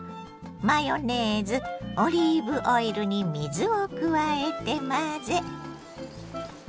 マヨネーズオリーブオイルに水を加えて混ぜ。